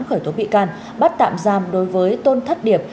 khởi tố bị can bắt tạm giam đối với tôn thất điệp